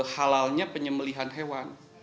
halalnya penyembelihan hewan